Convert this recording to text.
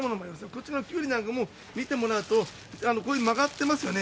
こっちのキュウリなんかも、見てもらうと、こういう、曲がってますよね。